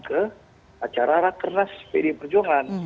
ke acara rakeras pdi perjuangan